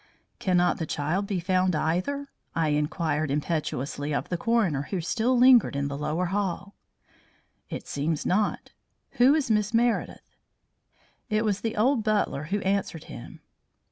"Cannot the child be found either?" I inquired impetuously of the coroner who still lingered in the lower hall. "It seems not. Who is Miss Meredith?" It was the old butler who answered him.